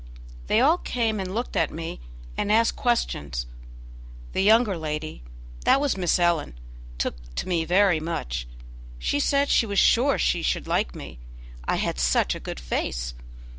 They all came and looked at me and asked questions. The younger lady that was Miss Ellen took to me very much; she said she was sure she should like me, I had such a good face.